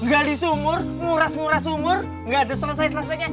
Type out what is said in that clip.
gali sumur muras muras sumur gak ada selesai selesainya